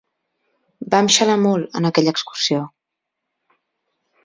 Vam xalar molt, en aquella excursió.